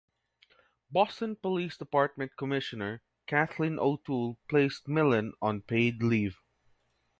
Boston Police Department Commissioner Kathleen O'Toole placed Milien on paid leave.